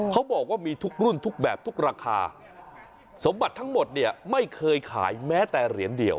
เขาบอกว่ามีทุกรุ่นทุกแบบทุกราคาสมบัติทั้งหมดเนี่ยไม่เคยขายแม้แต่เหรียญเดียว